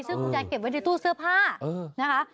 ซึ่งคุณยายเก็บไว้ในตู้เสื้อผ้านะคะ